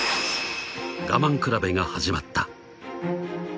我慢比べが始まった］